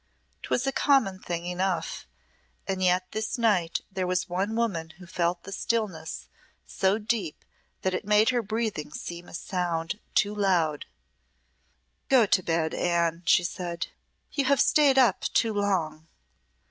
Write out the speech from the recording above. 'Twas a common thing enough, and yet this night there was one woman who felt the stillness so deep that it made her breathing seem a sound too loud. "Go to bed, Anne," she said. "You have stayed up too long."